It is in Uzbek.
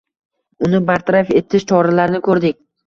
Uni bartaraf etish choralarini koʻrdik